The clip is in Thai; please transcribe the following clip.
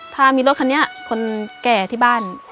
ถ้ามีรถคันนี้คนแก่ที่บ้าน